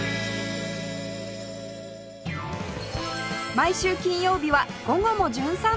毎週金曜日は『午後もじゅん散歩』